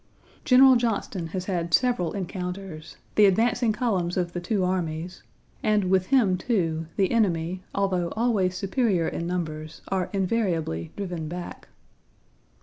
General Johnston has had several encounters the advancing columns of the two armies and with him, too, the enemy, although always superior in numbers, are invariably driven back.